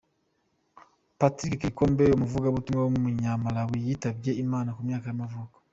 Patrick Kililombe, umuvugabutumwa w’umunyamalawi yitabye Imana, ku myaka y’amavuko.